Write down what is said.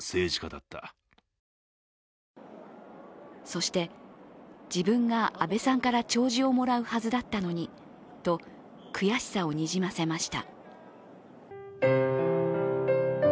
そして、自分が安倍さんから弔辞をもらうはずだったのにと悔しさをにじませました。